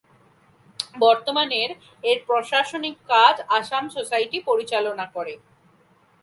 বর্তমানে এর প্রশাসনিক কাজ আসাম সোসাইটি পরিচালনা করে।